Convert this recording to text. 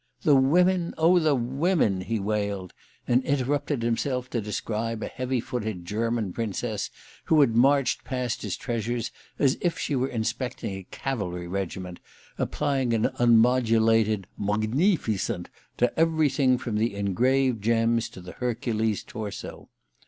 "The women oh, the women!" he wailed, and interrupted himself to describe a heavy footed German Princess who had marched past his treasures as if she were inspecting a cavalry regiment, applying an unmodulated Mugneeficent to everything from the engraved gems to the Hercules torso.